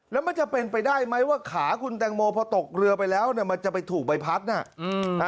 แล้วมันจะเป็นไปได้ไหมว่าขาคุณแตงโมพอตกเรือไปแล้วเนี่ยมันจะไปถูกใบพัดน่ะ